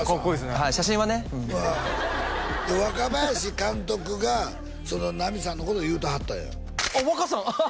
はい写真はね若林監督がその浪さんのこと言うてはったんやあっ若さんアハハ！